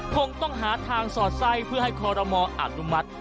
คงต้องหาทางสอดไส้เพื่อให้คอรมออนุมัติ